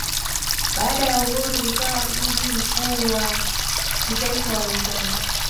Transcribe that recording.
Baada ya uhuru ikawa mji mkuu wa kitaifa wa Uganda.